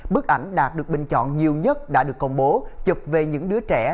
bức ảnh đạt được bình chọn nhiều nhất đã được công bố chụp về những đứa trẻ